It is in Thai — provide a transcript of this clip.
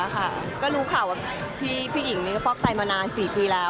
ก็รู้ข่าวว่าพี่หญิงนี่ก็ฟอกไตมานาน๔ปีแล้ว